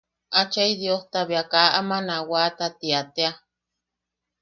Achai Diosta bea kaa aman a wata tia tea.